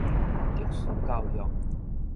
特殊教育